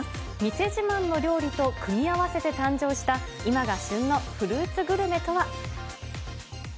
店自慢の料理と組み合わせて誕生した、今が旬のフルーツグルメとは。